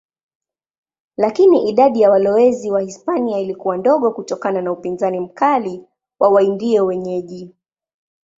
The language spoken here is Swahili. Lakini idadi ya walowezi Wahispania ilikuwa ndogo kutokana na upinzani mkali wa Waindio wenyeji.